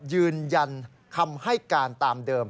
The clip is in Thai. ยืนยันคำให้การตามเดิม